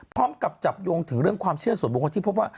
พร้อมกับจับโยงถึงเรื่องความเชื่อส่วนบุคคลที่พบว่า